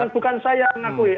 bukan saya yang mengakui